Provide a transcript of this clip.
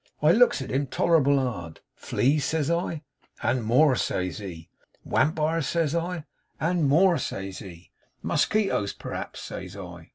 I looks at him tolerable hard. "Fleas?" says I. "And more," says he. "Wampires?" says I. "And more," says he. "Musquitoes, perhaps?" says I.